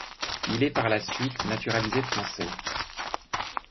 Il est par la suite naturalisé français.